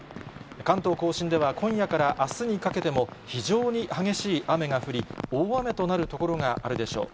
関東甲信では今夜からあすにかけても、非常に激しい雨が降り、大雨となる所があるでしょう。